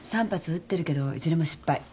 ３発撃ってるけどいずれも失敗。